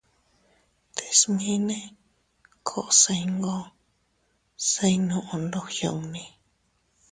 Te smine koo se iyngoo se iynuʼu ndog yunni.